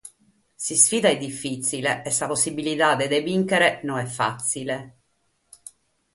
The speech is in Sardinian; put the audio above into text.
S’isfida est difìtzile e sa possibilidade de bìnchere no est fàtzile.